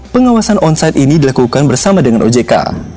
pengawasan onsite ini dilakukan bersama dengan ojk